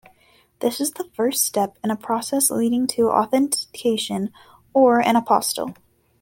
This is the first step in a process leading to authentication or an apostille.